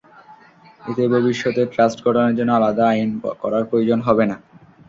এতে ভবিষ্যতে ট্রাস্ট গঠনের জন্য আলাদা আইন করার প্রয়োজন হবে না।